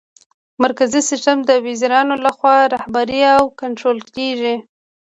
مرکزي سیسټم د وزیرانو لخوا رهبري او کنټرولیږي.